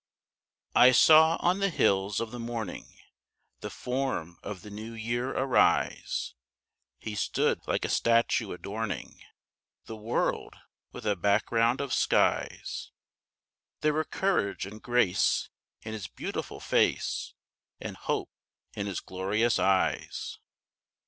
I saw on the hills of the morning, The form of the New Year arise, He stood like a statue adorning The world with a background of skies. There were courage and grace in his beautiful face, And hope in his glorious eyes.